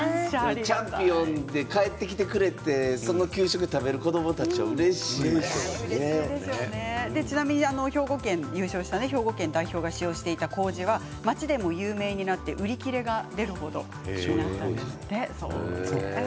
チャンピオン」で帰ってきてくれて、その給食を食べる子どもたちは優勝した兵庫県代表が使用していた麺は町でも有名になって売り切れが出る程なんですって。